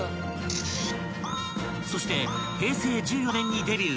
［そして平成１４年にデビュー］